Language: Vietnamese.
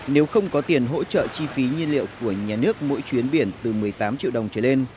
nếu không có tiền hỗ trợ chi phí nhiên liệu của nhà nước mỗi chuyến biển từ một mươi tám triệu đồng trở lên